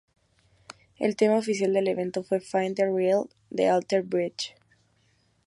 El tema oficial del evento fue ""Find The Real"" de Alter Bridge.